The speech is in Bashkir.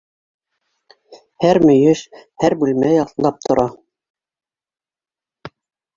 Һәр мөйөш, һәр бүлмә ялтлап тора.